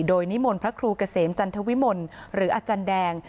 โดยนิมนต์พระครูเกษมจันทวิมลหรืออาจารย์แดง